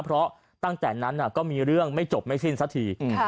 เพราะตั้งแต่นั้นก็มีเรื่องไม่จบไม่สิ้นสักที